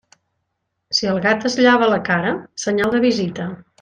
Si el gat es llava la cara, senyal de visita.